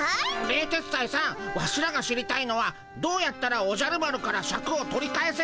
冷徹斎さんワシらが知りたいのはどうやったらおじゃる丸からシャクを取り返せるかってことでゴンス。